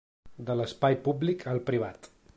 De l’espai públic al privat.